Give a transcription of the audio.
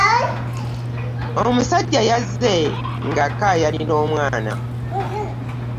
Omusajja yazze ng'akaayanira omwana.